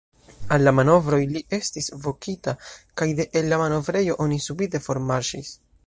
Al la manovroj li estis vokita, kaj de el la manovrejo oni subite formarŝis.